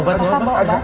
bapak bawa obat